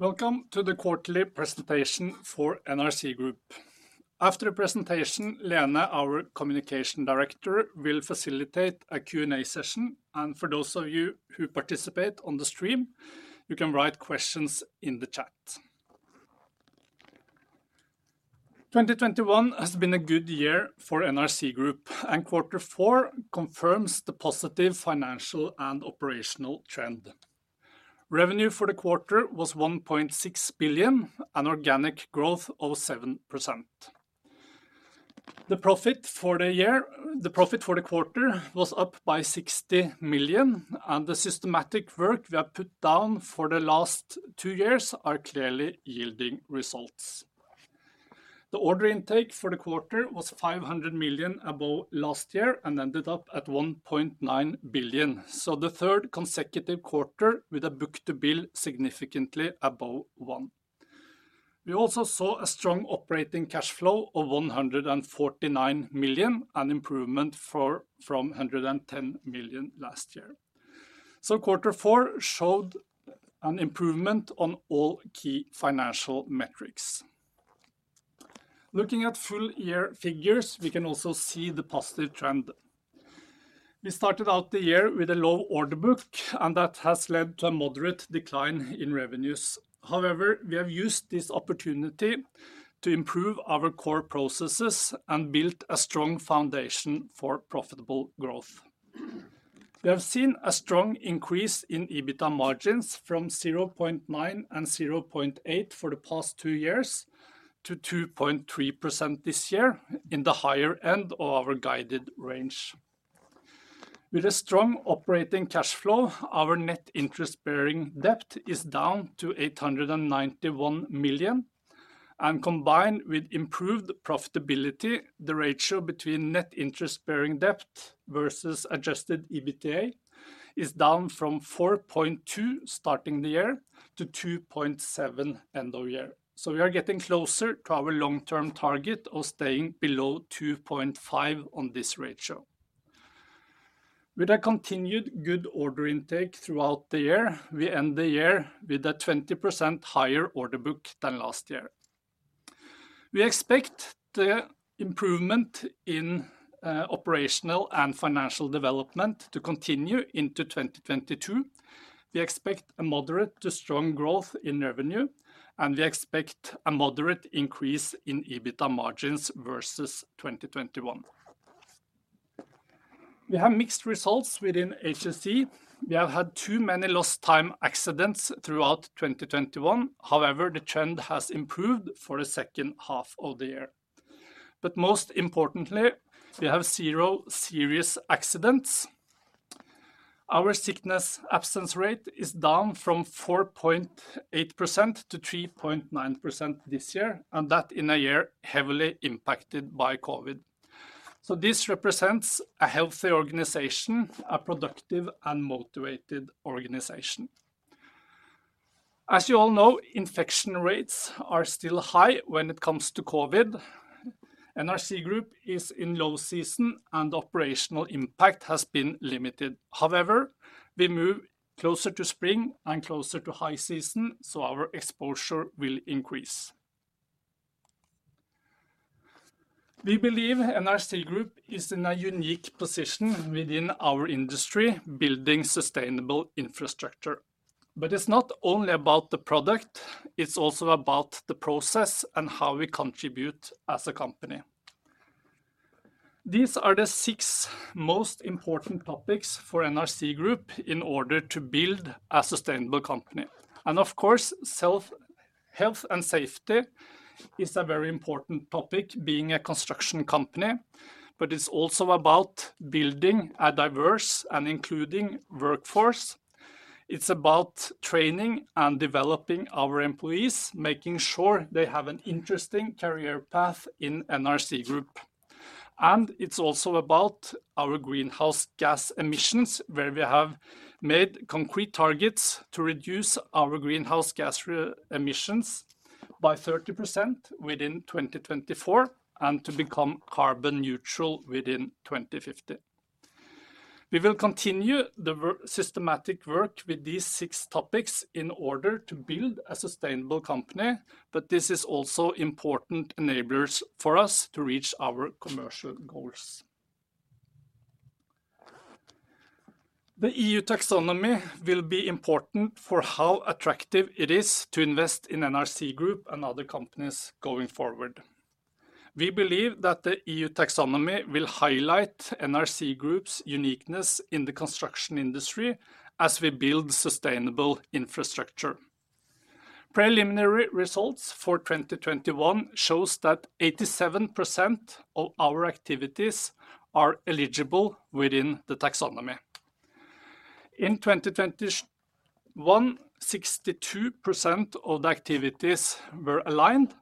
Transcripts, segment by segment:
Welcome to the quarterly presentation for NRC Group. After the presentation, Lene, our communication director, will facilitate a Q&A session. For those of you who participate on the stream, you can write questions in the chat. 2021 has been a good year for NRC Group, and quarter four confirms the positive financial and operational trend. Revenue for the quarter was 1.6 billion and organic growth of 7%. The profit for the quarter was up by 60 million, and the systematic work we have put down for the last two years are clearly yielding results. The order intake for the quarter was 500 million above last year and ended up at 1.9 billion, so the third consecutive quarter with a book-to-bill significantly above one. We also saw a strong operating cash flow of 149 million, an improvement from 110 million last year. Quarter four showed an improvement on all key financial metrics. Looking at full year figures, we can also see the positive trend. We started out the year with a low order book, and that has led to a moderate decline in revenues. However, we have used this opportunity to improve our core processes and built a strong foundation for profitable growth. We have seen a strong increase in EBITDA margins from 0.9% and 0.8% for the past two years to 2.3% this year in the higher end of our guided range. With a strong operating cash flow, our net interest-bearing debt is down to 891 million. Combined with improved profitability, the ratio between net interest-bearing debt versus adjusted EBITDA is down from 4.2 starting the year to 2.7 end of year. We are getting closer to our long-term target of staying below 2.5 on this ratio. With a continued good order intake throughout the year, we end the year with a 20% higher order book than last year. We expect the improvement in operational and financial development to continue into 2022. We expect a moderate to strong growth in revenue, and we expect a moderate increase in EBITDA margins versus 2021. We have mixed results within HSE. We have had too many lost time accidents throughout 2021. However, the trend has improved for the second half of the year. Most importantly, we have 0 serious accidents. Our sickness absence rate is down from 4.8%-3.9% this year, and that in a year heavily impacted by COVID. This represents a healthy organization, a productive and motivated organization. As you all know, infection rates are still high when it comes to COVID. NRC Group is in low season, and operational impact has been limited. However, we move closer to spring and closer to high season, so our exposure will increase. We believe NRC Group is in a unique position within our industry, building sustainable infrastructure. It's not only about the product, it's also about the process and how we contribute as a company. These are the six most important topics for NRC Group in order to build a sustainable company. Of course, health and safety is a very important topic being a construction company, but it's also about building a diverse and including workforce. It's about training and developing our employees, making sure they have an interesting career path in NRC Group. It's also about our greenhouse gas emissions, where we have made concrete targets to reduce our greenhouse gas emissions by 30% within 2024 and to become carbon neutral within 2050. We will continue the systematic work with these six topics in order to build a sustainable company, but this is also important enablers for us to reach our commercial goals. The EU Taxonomy will be important for how attractive it is to invest in NRC Group and other companies going forward. We believe that the EU taxonomy will highlight NRC Group's uniqueness in the construction industry as we build sustainable infrastructure. Preliminary results for 2021 shows that 87% of our activities are eligible within the taxonomy. In 2021, 62% of the activities were aligned,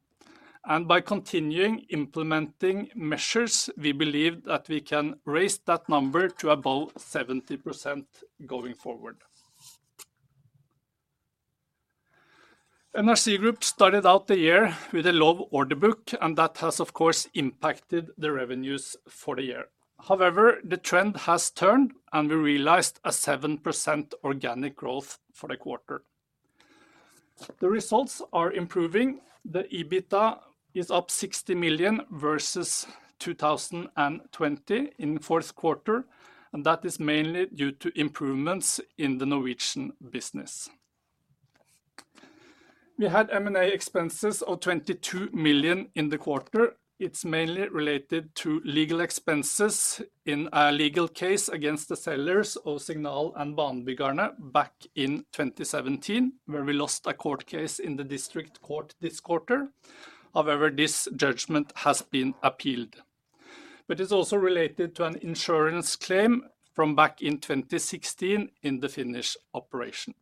and by continuing implementing measures, we believe that we can raise that number to above 70% going forward. NRC Group started out the year with a low order book, and that has, of course, impacted the revenues for the year. However, the trend has turned, and we realized a 7% organic growth for the quarter. The results are improving. The EBITDA is up 60 million versus 2020 in the Q4, and that is mainly due to improvements in the Norwegian business. We had M&A expenses of 22 million in the quarter. It's mainly related to legal expenses in a legal case against the sellers of Signal & Banbyggarna back in 2017, where we lost a court case in the district court this quarter. However, this judgment has been appealed. It's also related to an insurance claim from back in 2016 in the Finnish operation.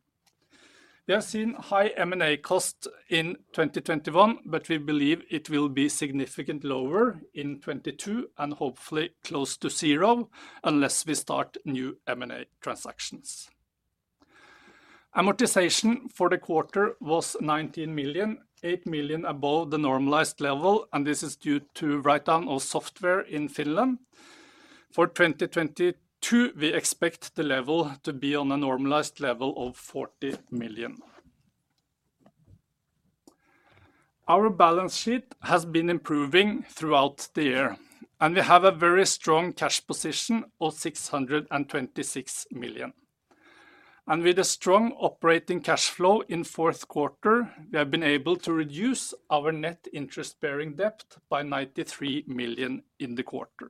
We have seen high M&A costs in 2021, but we believe it will be significantly lower in 2022 and hopefully close to zero, unless we start new M&A transactions. Amortization for the quarter was 19 million, 8 million above the normalized level, and this is due to write-down of software in Finland. For 2022, we expect the level to be on a normalized level of 40 million. Our balance sheet has been improving throughout the year, and we have a very strong cash position of 626 million. With a strong operating cash flow in Q4, we have been able to reduce our net interest-bearing debt by 93 million in the quarter.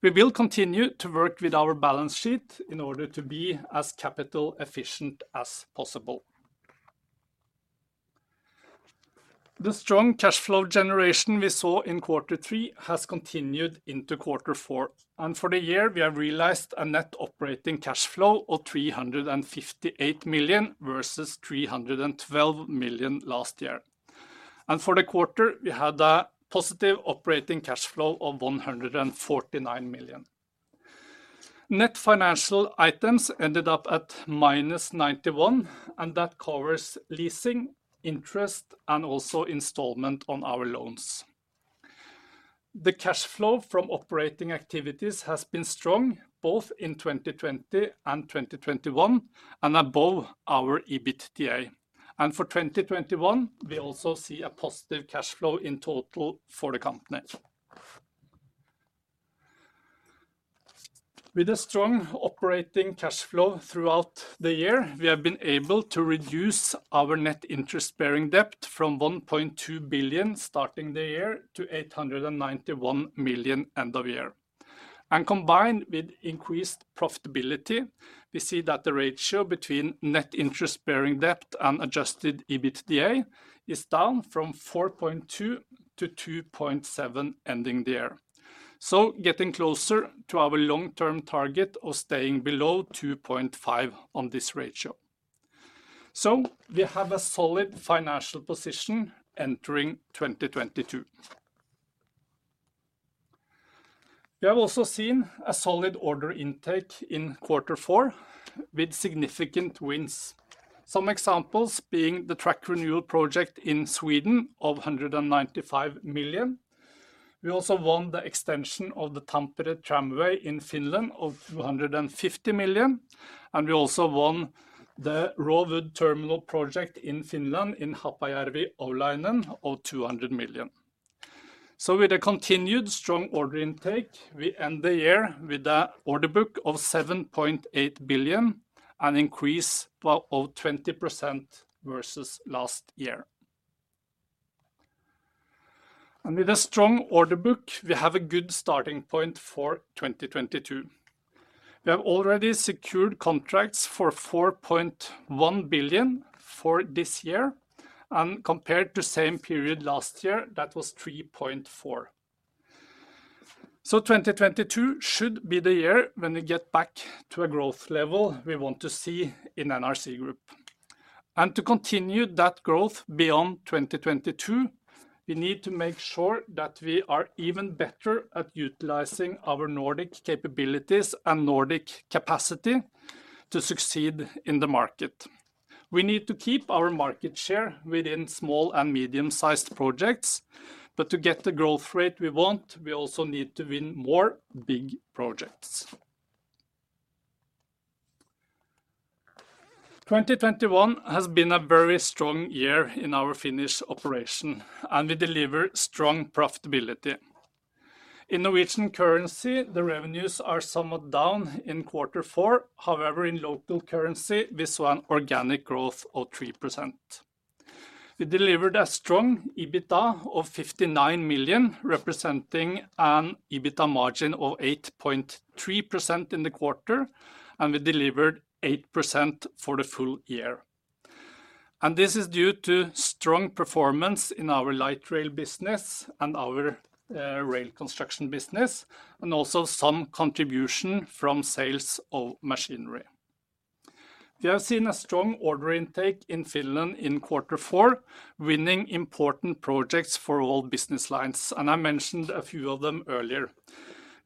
We will continue to work with our balance sheet in order to be as capital efficient as possible. The strong cash flow generation we saw in quarter three has continued into quarter four. For the year, we have realized a net operating cash flow of 358 million versus 312 million last year. For the quarter, we had a positive operating cash flow of 149 million. Net financial items ended up at -91 million, and that covers leasing, interest, and also installment on our loans. The cash flow from operating activities has been strong both in 2020 and 2021 and above our EBITDA. For 2021, we also see a positive cash flow in total for the company. With a strong operating cash flow throughout the year, we have been able to reduce our net interest-bearing debt from 1.2 billion starting the year to 891 million end of year. Combined with increased profitability, we see that the ratio between net interest-bearing debt and adjusted EBITDA is down from 4.2-2.7 ending the year. Getting closer to our long-term target of staying below 2.5 on this ratio. We have a solid financial position entering 2022. We have also seen a solid order intake in quarter four with significant wins. Some examples being the track renewal project in Sweden of 195 million. We also won the extension of the Tampere Tramway in Finland of 250 million, and we also won the raw wood terminal project in Finland in Haapajärvi Oulainen of 200 million. With a continued strong order intake, we end the year with an order book of 7.8 billion, an increase of 20% versus last year. With a strong order book, we have a good starting point for 2022. We have already secured contracts for 4.1 billion for this year, and compared to same period last year, that was 3.4 billion. 2022 should be the year when we get back to a growth level we want to see in NRC Group. To continue that growth beyond 2022, we need to make sure that we are even better at utilizing our Nordic capabilities and Nordic capacity to succeed in the market. We need to keep our market share within small and medium-sized projects. To get the growth rate we want, we also need to win more big projects. 2021 has been a very strong year in our Finnish operation, and we deliver strong profitability. In Norwegian currency, the revenues are somewhat down in quarter four. However, in local currency, we saw an organic growth of 3%. We delivered a strong EBITDA of 59 million, representing an EBITDA margin of 8.3% in the quarter, and we delivered 8% for the full year. This is due to strong performance in our light rail business and our rail construction business, and also some contribution from sales of machinery. We have seen a strong order intake in Finland in quarter four, winning important projects for all business lines, and I mentioned a few of them earlier.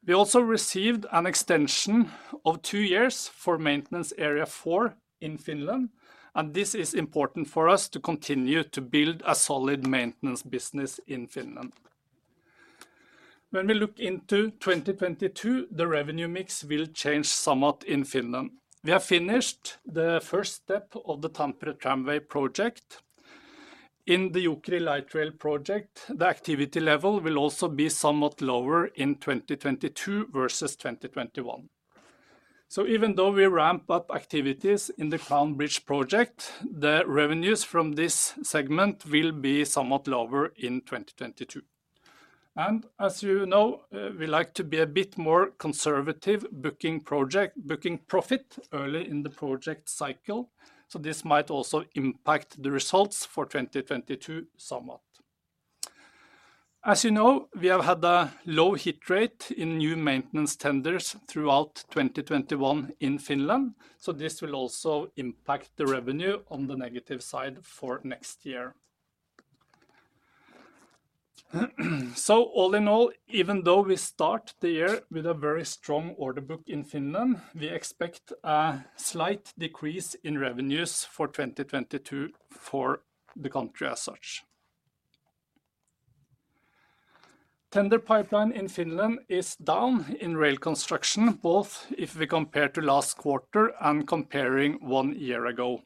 We also received an extension of two years for maintenance area four in Finland, and this is important for us to continue to build a solid maintenance business in Finland. When we look into 2022, the revenue mix will change somewhat in Finland. We have finished the first step of the Tampere Tramway project. In the Jokeri light rail project, the activity level will also be somewhat lower in 2022 versus 2021. Even though we ramp up activities in the Crown Bridges project, the revenues from this segment will be somewhat lower in 2022. As you know, we like to be a bit more conservative booking profit early in the project cycle, so this might also impact the results for 2022 somewhat. As you know, we have had a low hit rate in new maintenance tenders throughout 2021 in Finland, so this will also impact the revenue on the negative side for next year. All in all, even though we start the year with a very strong order book in Finland, we expect a slight decrease in revenues for 2022 for the country as such. Tender pipeline in Finland is down in rail construction, both if we compare to last quarter and comparing one year ago.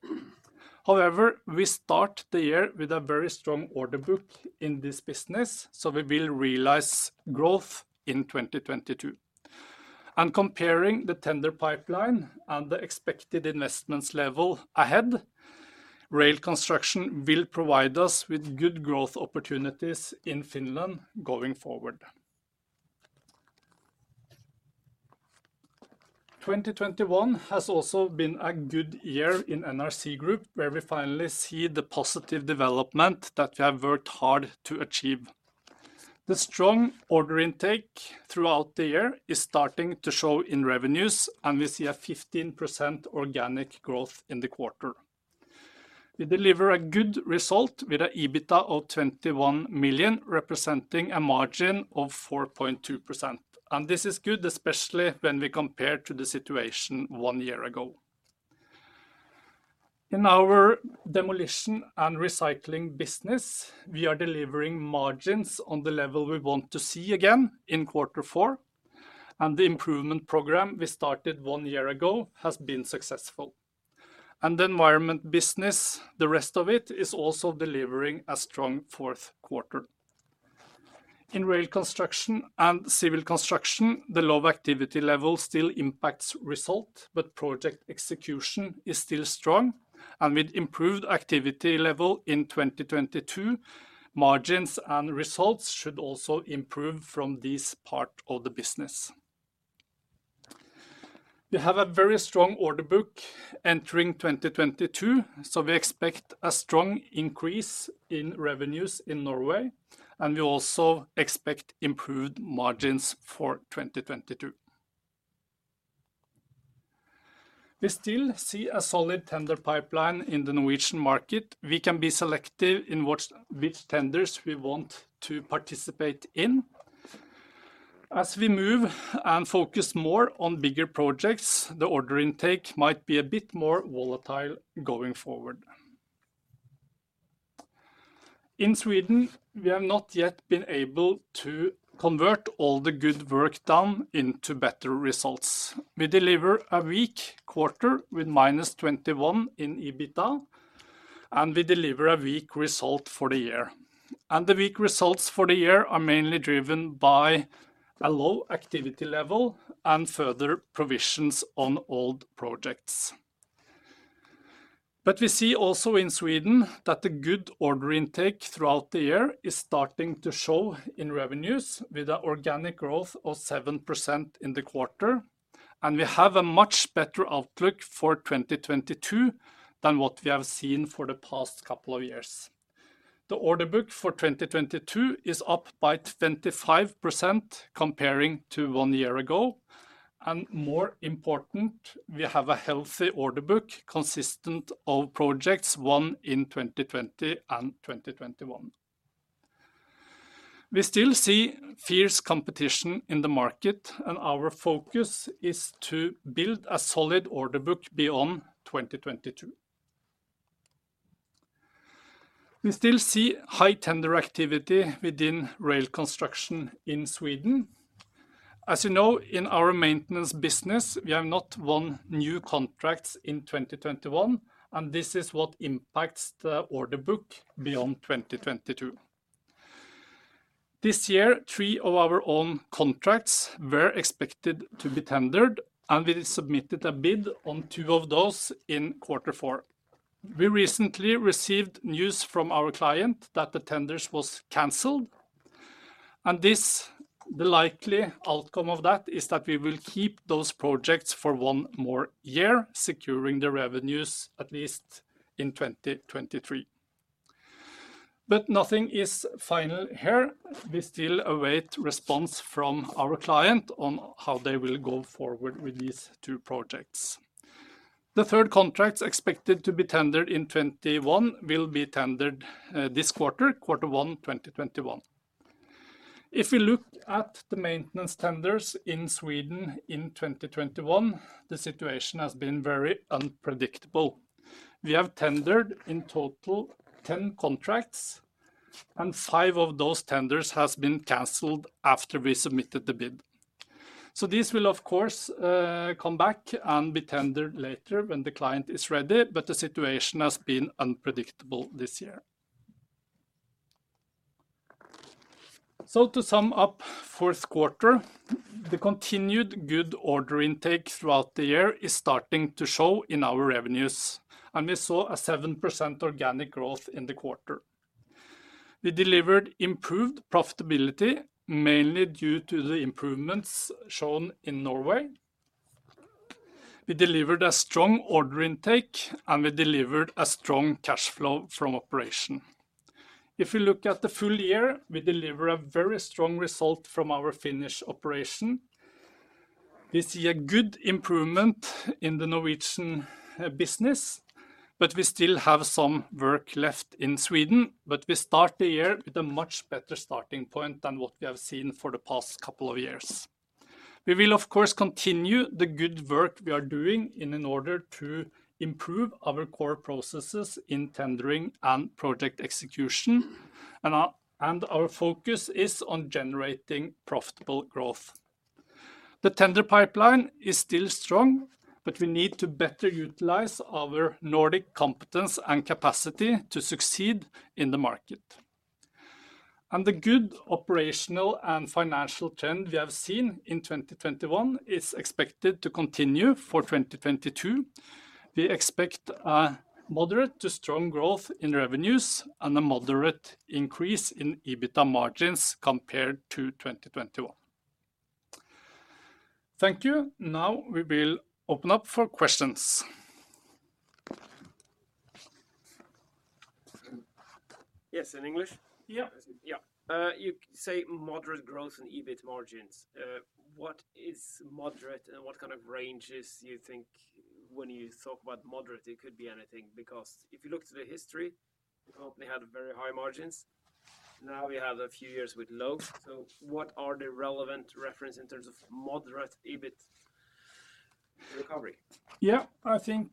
However, we start the year with a very strong order book in this business, so we will realize growth in 2022. Comparing the tender pipeline and the expected investments level ahead, rail construction will provide us with good growth opportunities in Finland going forward. 2021 has also been a good year in NRC Group, where we finally see the positive development that we have worked hard to achieve. The strong order intake throughout the year is starting to show in revenues, and we see a 15% organic growth in the quarter. We deliver a good result with an EBITDA of 21 million, representing a margin of 4.2%. This is good, especially when we compare to the situation one year ago. In our demolition and recycling business, we are delivering margins on the level we want to see again in quarter four, and the improvement program we started one year ago has been successful. The environmental business, the rest of it, is also delivering a strong Q4. In rail construction and civil construction, the low activity level still impacts results, but project execution is still strong. With improved activity level in 2022, margins and results should also improve from this part of the business. We have a very strong order book entering 2022, so we expect a strong increase in revenues in Norway, and we also expect improved margins for 2022. We still see a solid tender pipeline in the Norwegian market. We can be selective in which tenders we want to participate in. As we move and focus more on bigger projects, the order intake might be a bit more volatile going forward. In Sweden, we have not yet been able to convert all the good work done into better results. We deliver a weak quarter with minus 21 in EBITDA, and we deliver a weak result for the year. The weak results for the year are mainly driven by a low activity level and further provisions on old projects. We see also in Sweden that the good order intake throughout the year is starting to show in revenues with a organic growth of 7% in the quarter, and we have a much better outlook for 2022 than what we have seen for the past couple of years. The order book for 2022 is up by 25% comparing to one year ago. More important, we have a healthy order book consistent of projects won in 2020 and 2021. We still see fierce competition in the market, and our focus is to build a solid order book beyond 2022. We still see high tender activity within rail construction in Sweden. As you know, in our maintenance business, we have not won new contracts in 2021, and this is what impacts the order book beyond 2022. This year, three of our own contracts were expected to be tendered, and we submitted a bid on two of those in quarter four. We recently received news from our client that the tenders was canceled, and this, the likely outcome of that, is that we will keep those projects for one more year, securing the revenues at least in 2023. Nothing is final here. We still await response from our client on how they will go forward with these two projects. The third contracts expected to be tendered in 2021 will be tendered this quarter, Q1 2021. If we look at the maintenance tenders in Sweden in 2021, the situation has been very unpredictable. We have tendered in total 10 contracts, and five of those tenders has been canceled after we submitted the bid. This will of course come back and be tendered later when the client is ready, but the situation has been unpredictable this year. To sum up Q4, the continued good order intake throughout the year is starting to show in our revenues, and we saw a 7% organic growth in the quarter. We delivered improved profitability, mainly due to the improvements shown in Norway. We delivered a strong order intake, and we delivered a strong cash flow from operations. If you look at the full year, we deliver a very strong result from our Finnish operations. We see a good improvement in the Norwegian business, but we still have some work left in Sweden. We start the year with a much better starting point than what we have seen for the past couple of years. We will, of course, continue the good work we are doing in order to improve our core processes in tendering and project execution. Our focus is on generating profitable growth. The tender pipeline is still strong, but we need to better utilize our Nordic competence and capacity to succeed in the market. The good operational and financial trend we have seen in 2021 is expected to continue for 2022. We expect a moderate to strong growth in revenues and a moderate increase in EBIT margins compared to 2021. Thank you. Now we will open up for questions. Yes, in English? Yeah. Yeah. You say moderate growth in EBIT margins. What is moderate, and what kind of ranges you think when you talk about moderate? It could be anything. Because if you look to the history, you only had very high margins. Now we have a few years with low. What are the relevant reference in terms of moderate EBIT recovery? Yeah. I think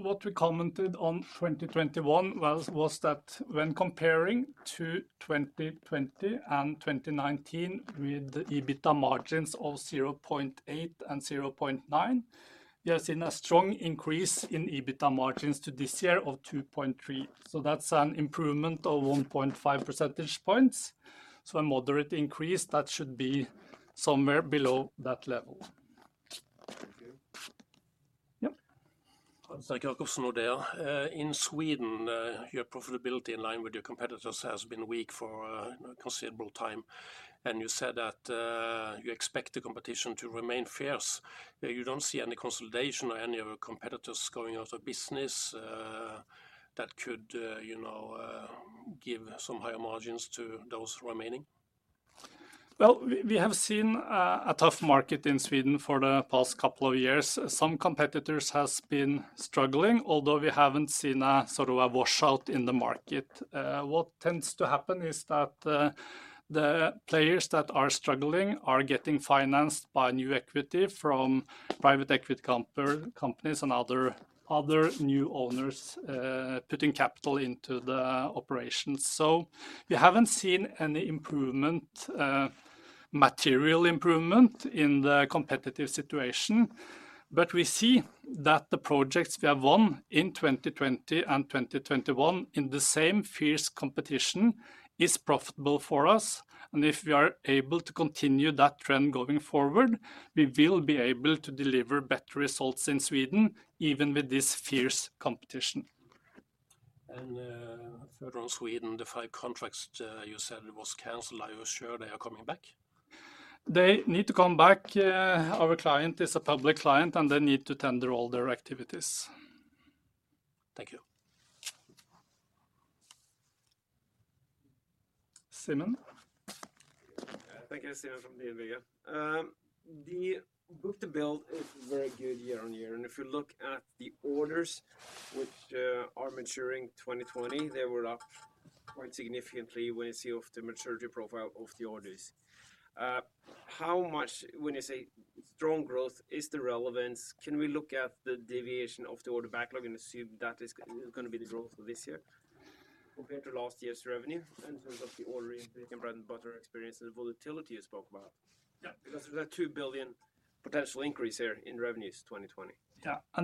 what we commented on 2021 was that when comparing to 2020 and 2019 with the EBIT margins of 0.8% and 0.9%, we have seen a strong increase in EBIT margins to this year of 2.3%. That's an improvement of 1.5 percentage points. A moderate increase, that should be somewhere below that level. Thank you. Yep. Hans-Erik Jacobsen, Nordea. In Sweden, your profitability in line with your competitors has been weak for a considerable time, and you said that you expect the competition to remain fierce. You don't see any consolidation or any of your competitors going out of business that could, you know, give some higher margins to those remaining? Well, we have seen a tough market in Sweden for the past couple of years. Some competitors has been struggling, although we haven't seen sort of a wash out in the market. What tends to happen is that the players that are struggling are getting financed by new equity from private equity companies and other new owners putting capital into the operations. We haven't seen any material improvement in the competitive situation. We see that the projects we have won in 2020 and 2021 in the same fierce competition is profitable for us. If we are able to continue that trend going forward, we will be able to deliver better results in Sweden, even with this fierce competition. Further on Sweden, the five contracts you said was canceled. Are you sure they are coming back? They need to come back. Our client is a public client, and they need to tender all their activities. Thank you. Simon? Thank you, Simon from DNB. The book-to-bill is very good year-over-year. If you look at the orders which are maturing 2020, they were up quite significantly when you see the maturity profile of the orders. When you say strong growth, can we look at the deviation of the order backlog and assume that is gonna be the growth for this year compared to last year's revenue in terms of the order intake and bread and butter experience and the volatility you spoke about? Yeah. Because there's a 2 billion potential increase here in revenues 2020.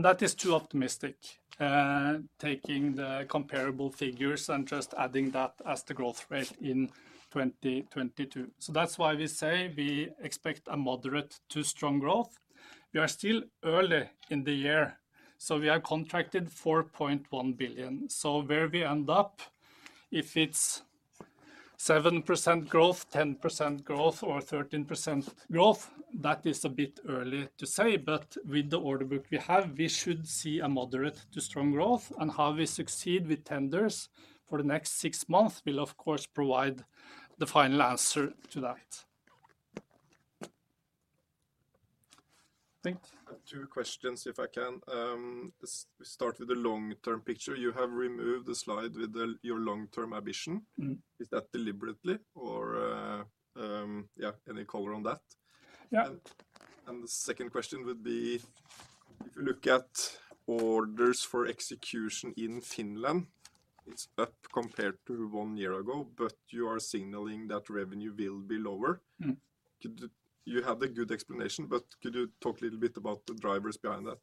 That is too optimistic, taking the comparable figures and just adding that as the growth rate in 2022. That's why we say we expect a moderate to strong growth. We are still early in the year, so we have contracted 4.1 billion. Where we end up, if it's 7% growth, 10% growth, or 13% growth, that is a bit early to say. With the order book we have, we should see a moderate to strong growth. How we succeed with tenders for the next six months will of course provide the final answer to that. Thanks. I have two questions, if I can. We start with the long-term picture. You have removed the slide with the, your long-term ambition. Mm-hmm. Is that deliberately or? Yeah, any color on that? Yeah. The second question would be. If you look at orders for execution in Finland, it's up compared to one year ago, but you are signaling that revenue will be lower. Mm. You have a good explanation, but could you talk a little bit about the drivers behind that?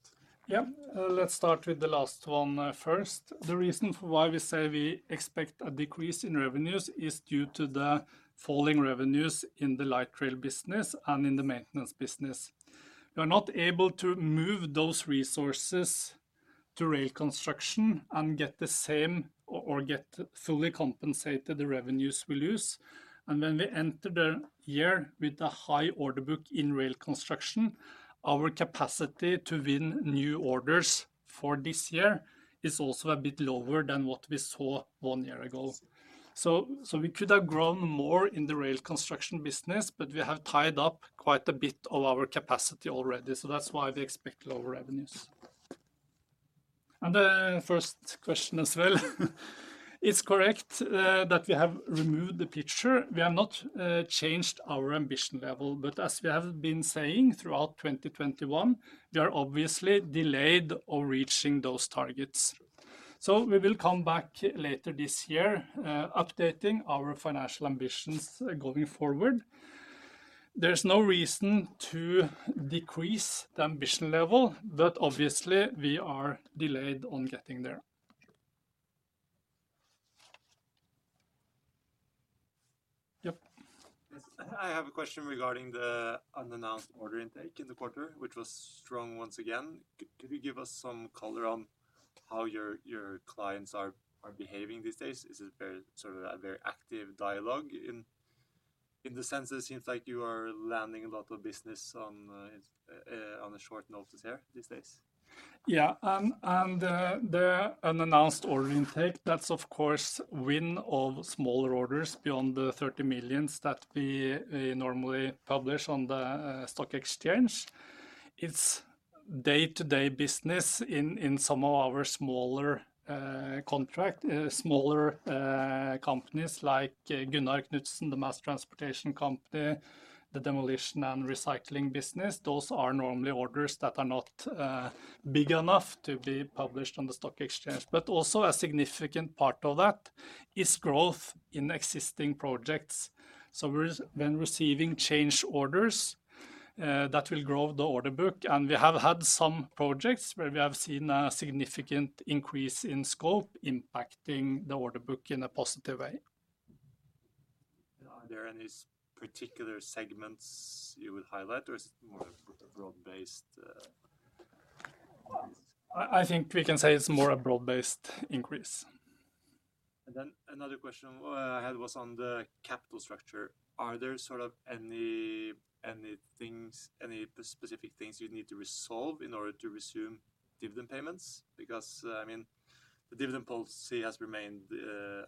Yeah. Let's start with the last one, first. The reason for why we say we expect a decrease in revenues is due to the falling revenues in the light rail business and in the maintenance business. We are not able to move those resources to rail construction and get the same or get fully compensated the revenues we lose. When we enter the year with a high order book in rail construction, our capacity to win new orders for this year is also a bit lower than what we saw one year ago. We could have grown more in the rail construction business, but we have tied up quite a bit of our capacity already. That's why we expect lower revenues. The first question as well, it's correct, that we have removed the picture. We have not changed our ambition level, but as we have been saying throughout 2021, we are obviously delayed on reaching those targets. We will come back later this year, updating our financial ambitions going forward. There's no reason to decrease the ambition level, but obviously we are delayed on getting there. Yep. Yes. I have a question regarding the unannounced order intake in the quarter, which was strong once again. Could you give us some color on how your clients are behaving these days? Is it very, sort of a very active dialogue in the sense that it seems like you are landing a lot of business on a short notice here these days? Yeah. The unannounced order intake, that's of course win of smaller orders beyond the 30 million that we normally publish on the stock exchange. It's day-to-day business in some of our smaller companies like Gunnar Knutsen, the mass transportation company, the demolition and recycling business. Those are normally orders that are not big enough to be published on the stock exchange. Also a significant part of that is growth in existing projects. We have been receiving change orders that will grow the order book, and we have had some projects where we have seen a significant increase in scope impacting the order book in a positive way. Are there any particular segments you would highlight, or is it more of a broad-based increase? I think we can say it's more a broad-based increase. Another question I had was on the capital structure. Are there sort of any things, any specific things you need to resolve in order to resume dividend payments? Because, I mean, the dividend policy has remained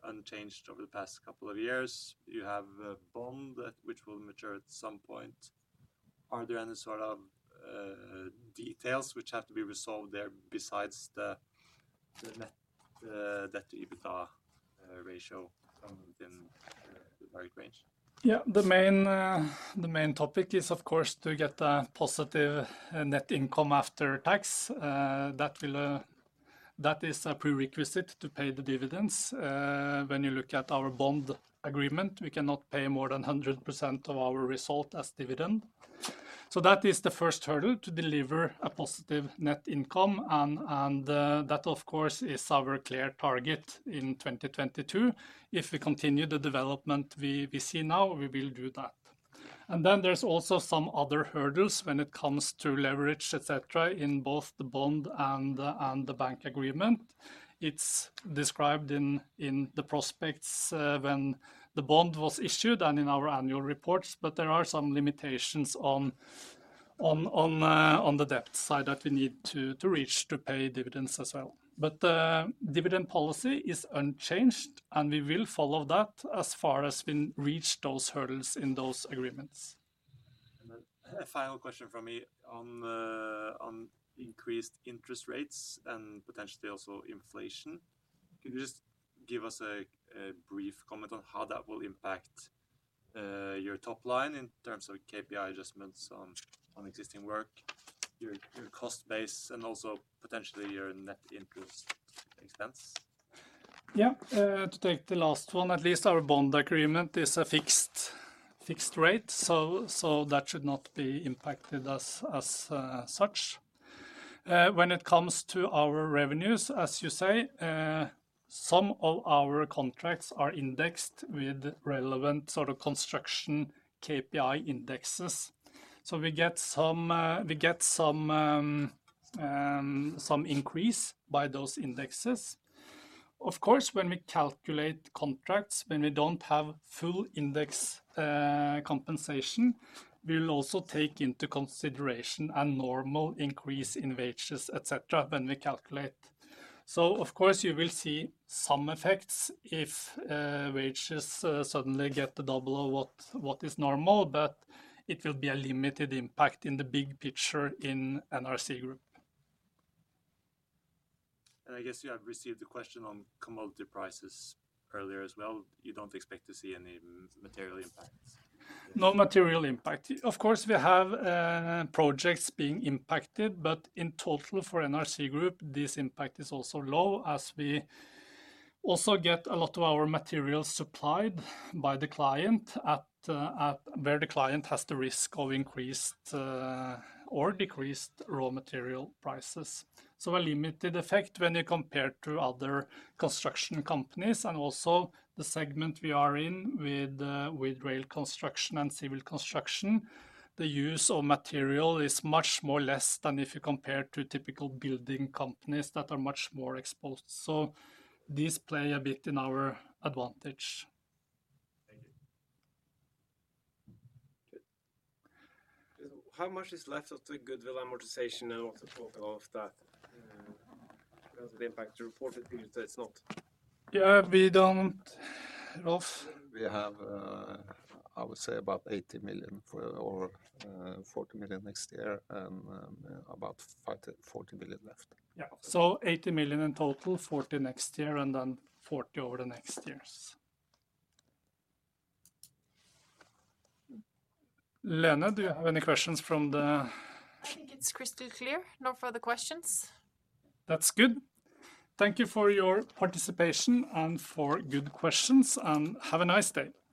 unchanged over the past couple of years. You have a bond that which will mature at some point. Are there any sort of details which have to be resolved there besides the net debt to EBITDA ratio within the target range? Yeah. The main topic is, of course, to get a positive net income after tax. That is a prerequisite to pay the dividends. When you look at our bond agreement, we cannot pay more than 100% of our result as dividend. That is the first hurdle, to deliver a positive net income and that of course is our clear target in 2022. If we continue the development we see now, we will do that. Then there's also some other hurdles when it comes to leverage, et cetera, in both the bond and the bank agreement. It's described in the prospectus when the bond was issued and in our annual reports, but there are some limitations on the debt side that we need to reach to pay dividends as well. The dividend policy is unchanged, and we will follow that as far as we reach those hurdles in those agreements. A final question from me. On increased interest rates and potentially also inflation, could you just give us a brief comment on how that will impact your top line in terms of KPI adjustments on existing work, your cost base, and also potentially your net interest expense? Yeah. To take the last one at least, our bond agreement is a fixed rate, so that should not be impacted as such. When it comes to our revenues, as you say, some of our contracts are indexed with relevant sort of construction KPI indexes. We get some increase by those indexes. Of course, when we calculate contracts, when we don't have full index compensation, we'll also take into consideration a normal increase in wages, et cetera, when we calculate. Of course, you will see some effects if wages suddenly get double of what is normal, but it will be a limited impact in the big picture in NRC Group. I guess you have received a question on commodity prices earlier as well. You don't expect to see any material impacts? No material impact. Of course, we have projects being impacted, but in total for NRC Group, this impact is also low as we also get a lot of our materials supplied by the client where the client has the risk of increased or decreased raw material prices. A limited effect when you compare to other construction companies and also the segment we are in with rail construction and civil construction. The use of material is much more less than if you compare to typical building companies that are much more exposed. This play a bit in our advantage. Thank you. Good. How much is left of the goodwill amortization now to talk of that, because of the impact to reported figures that it's not? Yeah, we don't, Rolf? We have, I would say, about 80 million or 40 million next year and about 40 million left. Yeah. 80 million in total, 40 next year, and then 40 over the next years. Lene, do you have any questions from the- I think it's crystal clear. No further questions. That's good. Thank you for your participation and for good questions, and have a nice day.